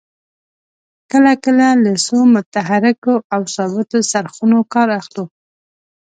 کله کله له څو متحرکو او ثابتو څرخونو کار اخلو.